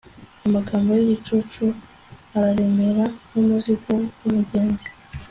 amagambo y'igicucu araremera nk'umuzigo w'umugenzi